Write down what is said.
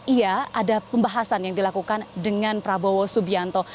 iya ada pembahasan yang dilakukan dengan prabowo subianto